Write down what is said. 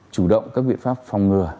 chủ động các biện pháp phòng ngừa